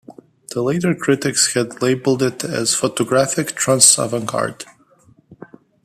The later critics had labeled it as "Photographic Trans-avantgarde".